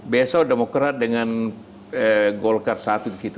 besok demokrat dengan golkar satu di situ